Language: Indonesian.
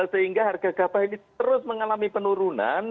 sehingga harga gabah ini terus mengalami penurunan